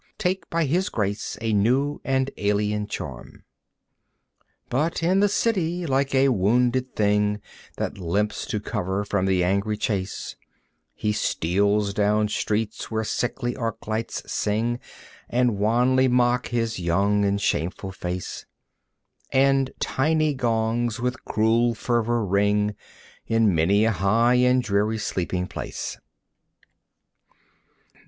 Take by his grace a new and alien charm. But in the city, like a wounded thing That limps to cover from the angry chase, He steals down streets where sickly arc lights sing, And wanly mock his young and shameful face; And tiny gongs with cruel fervor ring In many a high and dreary sleeping place.